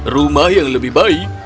rumah yang lebih baik